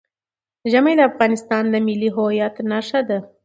ژمی د افغانستان د ملي هویت نښه ده.